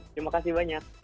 terima kasih banyak